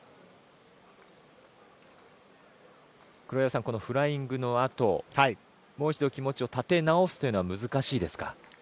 黒岩さん、フライングのあともう一度、気持ちを立て直すのは難しいですか？